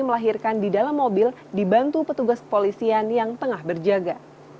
melahirkan di dalam mobil dibantu petugas polisian yang tengah berjaga